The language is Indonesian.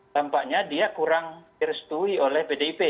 tampaknya dia kurang direstui oleh pdip